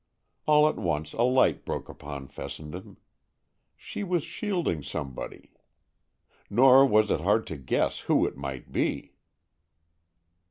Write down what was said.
All at once a light broke upon Fessenden. She was shielding somebody. Nor was it hard to guess who it might be!